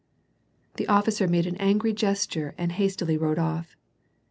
" The oificer made an angry gesture and hastily rode off.